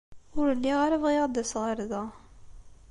Ur lliɣ ara bɣiɣ ad d-aseɣ ɣer da.